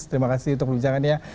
terima kasih untuk perbincangannya